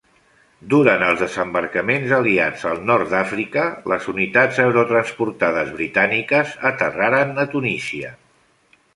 Durant els desembarcaments aliats al nord d'Àfrica, les unitats aerotransportades britàniques aterraren a Tunísia.